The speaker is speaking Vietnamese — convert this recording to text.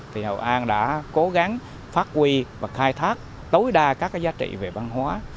thì hậu an đã cố gắng phát huy và khai thác tối đa các giá trị về văn hóa